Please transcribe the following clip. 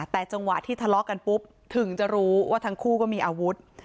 แต่จังหวะที่ทะเลาะกันปุ๊บถึงจะรู้ว่าทั้งคู่ก็มีอาวุธ